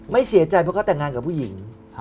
ไม่เสียใจเพราะเขาแต่งงานกับผู้หญิง